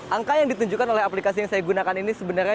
angka yang ditunjukkan oleh aplikasi yang saya gunakan ini sebenarnya